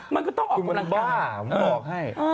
มันก็ต้องออกกำลังกาย